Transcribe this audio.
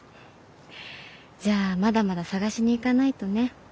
じゃあまだまだ探しに行かないとね。